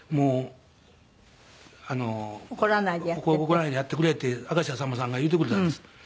「怒らないでやってくれ」って明石家さんまさんが言うてくれたんです。